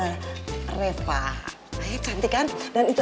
aku unbelievable apaan ya